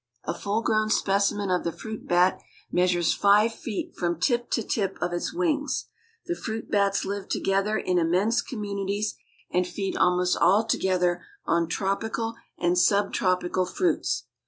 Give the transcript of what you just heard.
A full grown specimen of the fruit bat measures five feet from tip to tip of its wings. The fruit bats live together in immense communities and feed almost altogether on tropical and subtropical fruits.